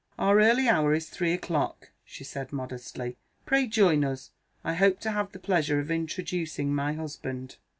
"Our early hour is three o'clock," she said modestly. "Pray join us. I hope to have the pleasure of introducing my husband."